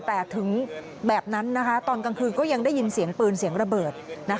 แต่ถึงแบบนั้นตอนกลางคืนก็ยังได้ยินเสียงปืนเสียงระเบิด